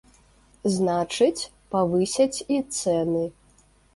Значыць, павысяць і цэны.